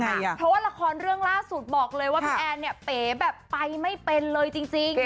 เพราะว่าละครเรื่องล่าสุดบอกเลยว่าพี่แอนเนี่ยเป๋แบบไปไม่เป็นเลยจริง